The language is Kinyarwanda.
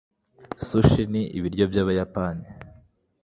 sushi ni ibiryo byabayapani